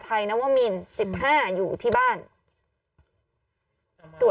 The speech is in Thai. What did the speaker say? กล้องกว้างอย่างเดียว